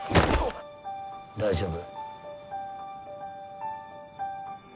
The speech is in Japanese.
大丈夫？